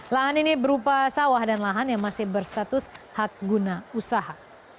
lahan ini berupa sawah dan lahan yang masih berstatus hak guna usaha